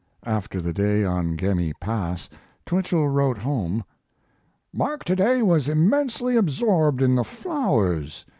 After the day on Gemmi Pass Twichell wrote home: Mark, to day, was immensely absorbed in the flowers.